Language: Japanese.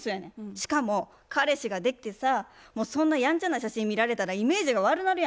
しかも彼氏ができてさもうそんなヤンチャな写真見られたらイメージが悪なるやんか。